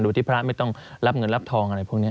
โดยที่พระไม่ต้องรับเงินรับทองอะไรพวกนี้